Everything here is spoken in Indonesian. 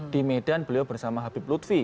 di medan beliau bersama habib lutfi